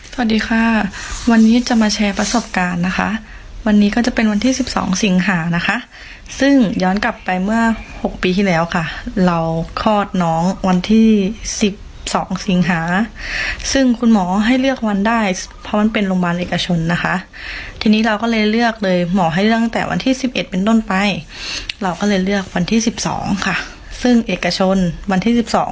สวัสดีค่ะวันนี้จะมาแชร์ประสบการณ์นะคะวันนี้ก็จะเป็นวันที่สิบสองสิงหานะคะซึ่งย้อนกลับไปเมื่อหกปีที่แล้วค่ะเราคลอดน้องวันที่สิบสองสิงหาซึ่งคุณหมอให้เลือกวันได้เพราะมันเป็นโรงพยาบาลเอกชนนะคะทีนี้เราก็เลยเลือกเลยหมอให้ตั้งแต่วันที่สิบเอ็ดเป็นต้นไปเราก็เลยเลือกวันที่สิบสองค่ะซึ่งเอกชนวันที่สิบสอง